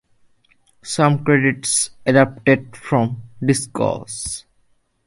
Some credits adapted from "Discogs".